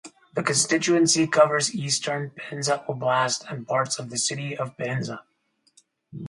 The constituency covers eastern Penza Oblast and parts of the city of Penza.